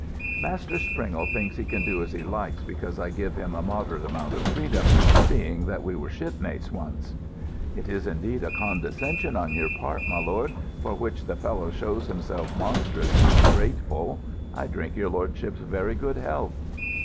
"Master Springle thinks he can do as he likes because I give him a moderate amount of freedom, seeing that we were shipmates once." "It is indeed a condescension on your side, my lord, for which the fellow shows himself monstrous ungrateful. I drink your lordship's very good health."